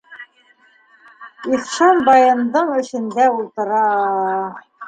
Ихшанбайындың эшендә ултыра...